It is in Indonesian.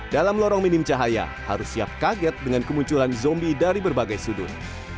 dalam lorong minim cahaya harus siap kaget dengan kemunculan zombie dari berbagai sudut